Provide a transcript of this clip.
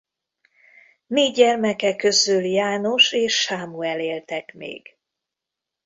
Négy gyermeke közül János és Sámuel éltek még.